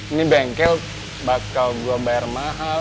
ini bengkel bakal gue bayar mahal